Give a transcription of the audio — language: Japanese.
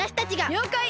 りょうかい。